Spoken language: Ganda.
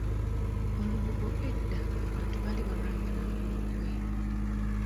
Olubugo edda abantu baali balwambala nga olugoye.